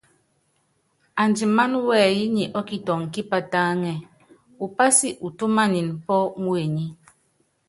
Andimáná wɛyí nyi ɔ́kitɔŋ kípatáŋɛ́, upási utúmanin pɔ́ muenyí.